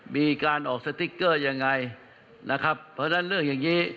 มีการออกสติ๊กเกอร์ยังไงนะครับเพราะฉะนั้นเรื่องอย่างนี้